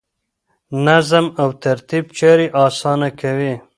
نظم او ترتیب چارې اسانه کوي.